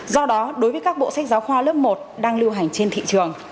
do đó đối với các bộ sách giáo khoa lớp một đang lưu hành trên thị trường